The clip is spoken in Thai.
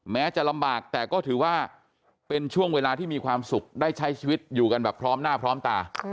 แม้จะลำบากแต่ก็ถือว่าเป็นช่วงเวลาที่มีความสุขได้ใช้ชีวิตอยู่กันแบบพร้อมหน้าพร้อมตา